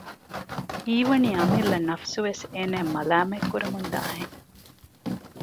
ހީވަނީ އަމިއްލަ ނަފުސުވެސް އޭނައަށް މަލާމަތްކުރަމުންދާހެން